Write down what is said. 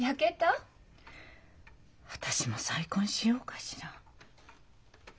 私も再婚しようかしら？